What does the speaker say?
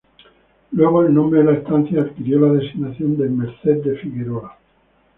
Luego el nombre de la estancia adquirió la designación de "Merced de Figueroa".